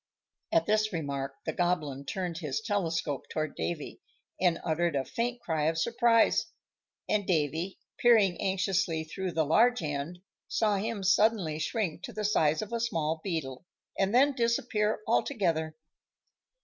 At this remark the Goblin turned his telescope toward Davy, and uttered a faint cry of surprise; and Davy, peering anxiously through the large end, saw him suddenly shrink to the size of a small beetle, and then disappear altogether.